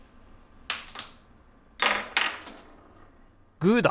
グーだ！